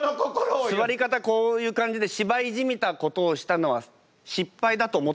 座り方こういう感じで芝居じみたことをしたのは失敗だと思っていますか？